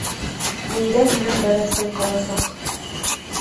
Миндә һинең бәрәсең ҡаласаҡ.